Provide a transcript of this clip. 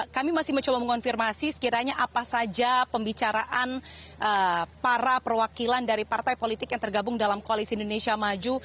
kami masih mencoba mengonfirmasi sekiranya apa saja pembicaraan para perwakilan dari partai politik yang tergabung dalam koalisi indonesia maju